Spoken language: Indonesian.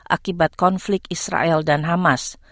akibat konflik israel dan hamas